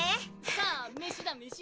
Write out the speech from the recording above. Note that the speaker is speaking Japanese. さぁ飯だ飯！